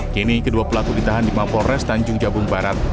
kini kedua pelaku ditahan di mapol res tanjung jambung barat